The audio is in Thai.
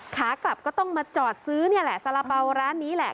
ขากลับก็ต้องมาจอดซื้อนี่แหละสาระเป๋าร้านนี้แหละ